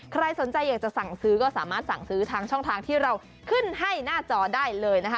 ใครสนใจอยากจะสั่งซื้อก็สามารถสั่งซื้อทางช่องทางที่เราขึ้นให้หน้าจอได้เลยนะคะ